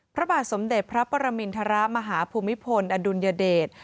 พระบาทสมเด็จพระปรมินทรมาฮภูมิพลอดุลยเดช